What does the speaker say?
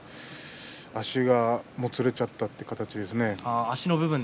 足がもつれちゃったという形ですね。